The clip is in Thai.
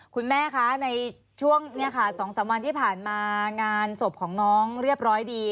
คุณแม่คะในช่วง๒๓วันที่ผ่านมางานศพของน้องเรียบร้อยดี